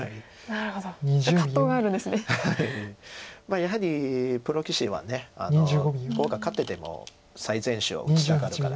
やはりプロ棋士は碁が勝ってても最善手を打ちたがるから。